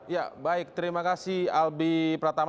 ya baik terima kasih albi pratama